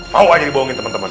mau aja dibohongin temen temen